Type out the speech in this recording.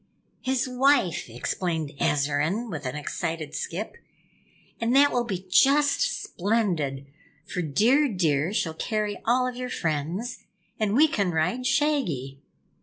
"His wife," explained Azarine with an excited skip. "And that will be just splendid, for Dear Deer shall carry all of your friends, and we can ride Shaggy!"